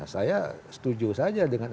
saya setuju saja dengan